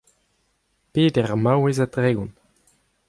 peder maouez ha tregont.